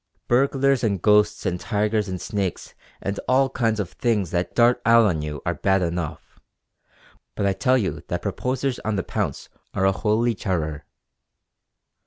Burglars and ghosts and tigers and snakes and all kinds of things that dart out on you are bad enough; but I tell you that proposers on the pounce are a holy terror.